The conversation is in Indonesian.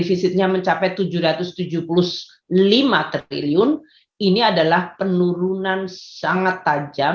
ini adalah penurunan sangat tajam